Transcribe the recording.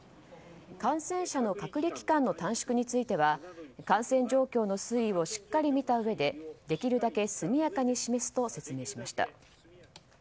感染者の隔離期間の短縮については感染状況の推移をしっかり見たうえでできるだけ速やかに示すと説明しました。